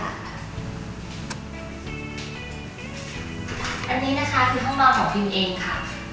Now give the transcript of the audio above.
อันนี้นะคะคือห้องนอนของพิมเองค่ะ